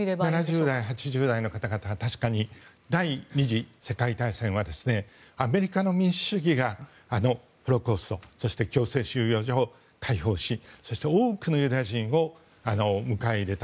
７０代、８０代の方々は第２次世界大戦はアメリカの民主主義がホロコースト、強制収容所を解放し、そして多くのユダヤ人を迎え入れた。